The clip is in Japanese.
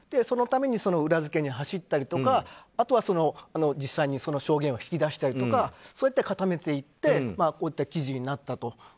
そのために裏付けに走ったりとかあとは、実際にその証言を引き出したりとかそうやって固めていって記事になったと。